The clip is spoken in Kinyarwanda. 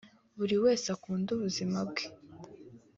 Buri wese akunde ubuzima bwe